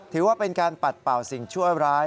ถือว่าเป็นการปัดเป่าสิ่งชั่วร้าย